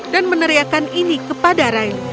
dan meneriakan ini kepada riley